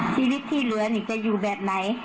ชีวิตที่เหลือนี่จะอยู่แบบไหน